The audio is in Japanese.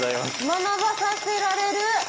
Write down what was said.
学ばさせられる。